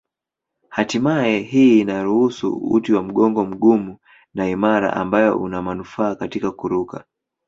Hatimaye hii inaruhusu uti wa mgongo mgumu na imara ambayo una manufaa katika kuruka.